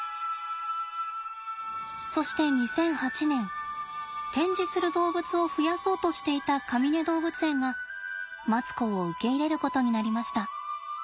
そして２００８年展示する動物を増やそうとしていたかみね動物園がマツコを受け入れることになりました。